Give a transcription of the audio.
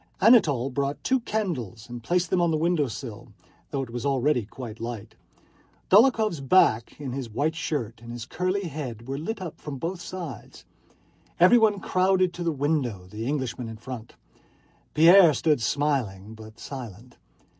Anatole brought two candles and placed them on the window sill, though it was already quite light. Dólokhov's back in his white shirt, and his curly head, were lit up from both sides. Everyone crowded to the window, the Englishman in front. Pierre stood smiling but silent.